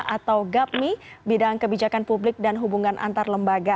atau gapmi bidang kebijakan publik dan hubungan antar lembaga